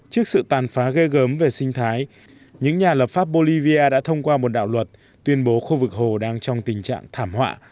trước sự tàn phá ghê gớm về sinh thái những nhà lập pháp bolivia đã thông qua một đạo luật tuyên bố khu vực hồ đang trong tình trạng thảm họa